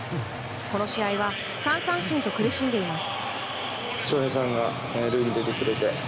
この試合は３三振と苦しんでいます。